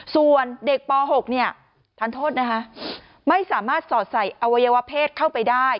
ส่วนเด็กป๖เนี่ยทานโทษนะคะไม่สามารถสอดใส่อวัยวะเพศเข้าไปได้